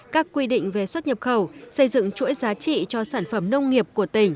các quy định về xuất nhập khẩu xây dựng chuỗi giá trị cho sản phẩm nông nghiệp của tỉnh